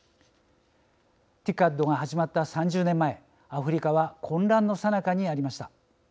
ＴＩＣＡＤが始まった３０年前アフリカは混乱のさなかにありました。